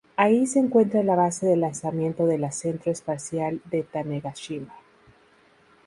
Allí se encuentra la base de lanzamiento de la Centro Espacial de Tanegashima.